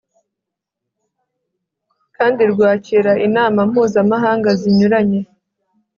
kandi rwakira inama mpuzamahanga zinyuranye